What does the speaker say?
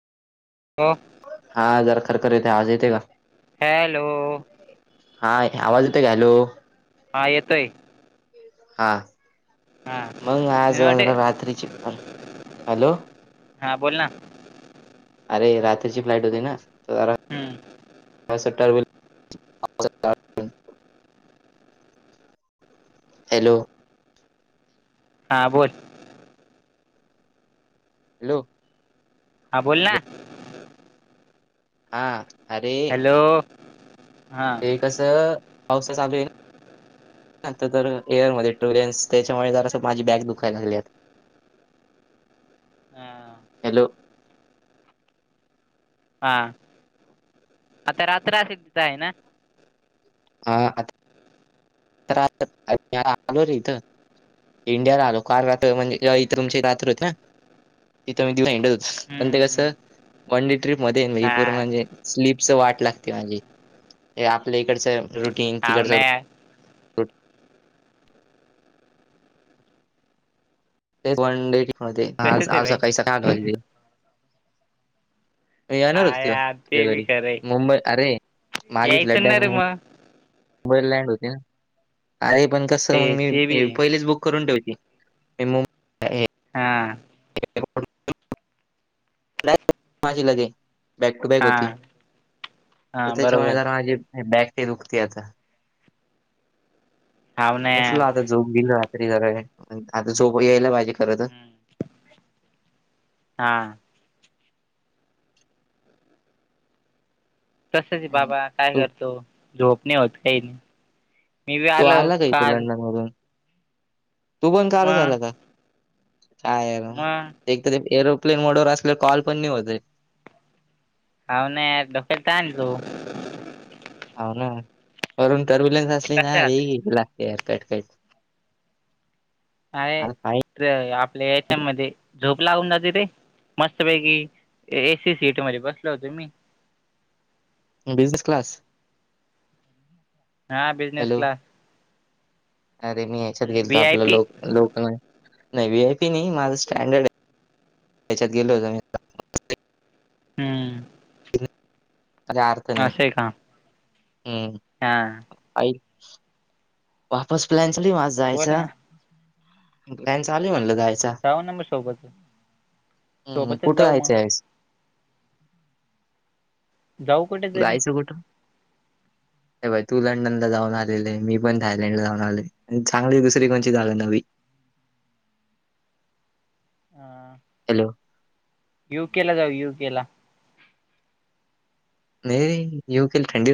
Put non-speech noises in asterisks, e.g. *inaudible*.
ह *unintelligible* हा जरा खरख येत आवाज येते का. हॅलो. हा आवाज येतय का हॅलो. हा येतय. हा हा मग मी आज वाटे रात्रीची हॅलो. हां बोल ना. अरे रात्रीची फ्लाइट होती ना. हम्म. ्ट *unintelligible* हॅलो. *unintelligible* हा बोल. *unintelligible* हॅलो. *unintelligible* हां बोल ना. हॅलो *unintelligible* हा. *unintelligible* हॅलो हां. ते *unintelligible* कसं पावसा चालू आहे ना. *unintelligible* आता तर एअरमध्ये ट्रुलेन्स त्याच्यामुळे जर माझी बॅग दुखायला लागली. हा. हॅलो हा आता रात सधताय ना. हा आता *unintelligible* आलो रे इथं. *unintelligible* इंडियाला आलो काल रात म्हणजेवा इथरुमची रात्री होते ना. *unintelligible* तिथं मी दिवा हिडत पण हम्म ते हम्म कसं. *unintelligible* वन डे ट्र्रीप मध्ये म्हजे पूर्ण हा म्हणजे स्लीपच वाट लागते म्हणजे. हे आपल्या इकडच रुटीन हाव तिकडच ना रुटीन यार *unintelligible* वन डे ट्रीप मध्ये आज तसच आहे आज भाई सकाळी सकाळी *unintelligible* ल हो हा येणाररच. यार तुझ्या ते बी घरी खरं आहे मुंबई अरे माझी यायचं फ्लट ना आहे रे मुंबई मग बईर लँड होते ना अरे पण कस ते मग मी ते बी पहिलेच बुक करून ठेवते. ए म *unintelligible* हा. *unintelligible* ए *unintelligible* *unintelligible* नाही माझी लगे बॅक टू बॅक हा होती तर हा त्याच्यामुळे बरोबर जरा माझी *unintelligible* बॅग ते दुखती आता हाव ना यार बसला आता झोप गेली रात्री *unintelligible* आता झोप यायला पाहिजे खर तर. हम्म हा. *unintelligible* तसच आहे बाबा काय तू करतो झोप नाही होत काही नाही. मी बी तू आलो आला का इथं काल. *unintelligible* लंडन तू पण काल मग झालाता काय. मग एक तररी एरोप्लेन मोडवर असलेला कॉल पण नाही होत. *unintelligible* हाव ना *unintelligible* *unintelligible* हो ना वरून टर्बिलन्स असली ना कशा आहात रे? वेगळी लागते *unintelligible* कट कट. अरे आता फाईन अ आपल्या हेच्यामध्ये झोप *unintelligible* जाते ते. मस्तपैकी एसी सीट मध्ये बसल होतं मी. *unintelligible* क्लास *unintelligible* हा बिझनेस हॅलो क्लास *unintelligible* अरे मी ह्याच्यात गेलतो व्ही आय आपला पी लोक लोकल नाही व्ही आय पी नाही माझं स्टँडर्डय त्याच्यात गेलो *unintelligible* *unintelligible* हम्म *unintelligible* *unintelligible* *unintelligible* अस आहे का *unintelligible* हम् *unintelligible* हा *unintelligible* आईक *unintelligible* वापस प्लॅन चालूय माज बोल जायचा ना प्लॅन चालूय म्हणलं जाय चा जाऊ ना मग सोबत हम्म सोबतच कुठं जाऊ मग जायचंयस? जाऊ कुठे तरी जाायचं कुठं? हे ब तू लंडन ला जाऊन आलेलय मी *unintelligible* पण थायलंडला जाऊन आलय चांगली दुसरी कोणची जागा नवी? आ हॅलो युके ला जाऊ युके ला नाही रे यूके ला थंडी